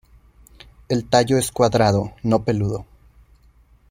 El tallo es cuadrado, no peludo.